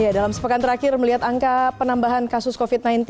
dalam sepekan terakhir melihat angka penambahan kasus covid sembilan belas